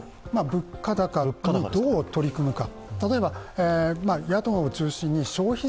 物価高にどう取り組むか。